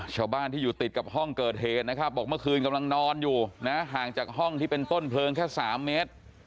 ชาวบ้านที่อยู่ติดกับห้องเกิดเหตุนะครับบอกเมื่อคืนกำลังนอนอยู่นะห่างจากห้องที่เป็นต้นเพลิงแค่๓เมตร